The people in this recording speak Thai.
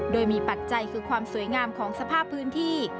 โดยมีปัจจัยคือความสวยงามของสภาพพื้นที่